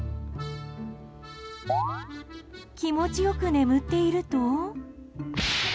気持ち良く眠っていると。